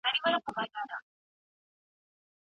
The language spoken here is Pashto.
ښه مشوره د سرو زرو ارزښت لري.